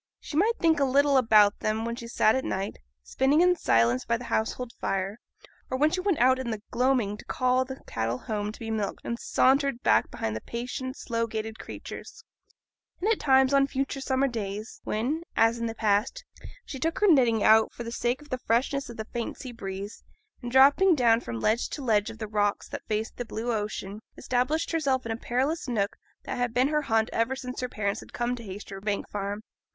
She might think a little about them when she sat at night, spinning in silence by the household fire, or when she went out in the gloaming to call the cattle home to be milked, and sauntered back behind the patient, slow gaited creatures; and at times on future summer days, when, as in the past, she took her knitting out for the sake of the freshness of the faint sea breeze, and dropping down from ledge to ledge of the rocks that faced the blue ocean, established herself in a perilous nook that had been her haunt ever since her parents had come to Haytersbank Farm.